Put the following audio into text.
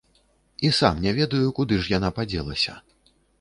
І сам не ведаю, куды ж яна падзелася.